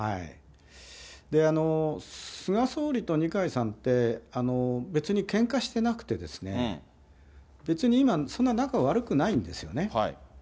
菅総理と二階さんって、別にけんかしてなくて、別に今、そんな仲、悪くないんですよね。